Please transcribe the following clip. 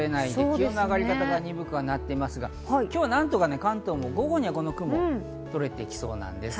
気温の上がり方が鈍くなっていますが、今日は何とか、関東も午後にはこの雲が取れてきそうなんです。